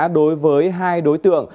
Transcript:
đối với hai đối tượng